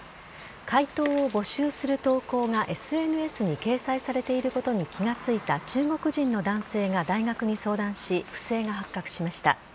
回答を募集する投稿がＳＮＳに掲載されていることに気が付いた中国人の男性が大学に相談し不正が発覚しました。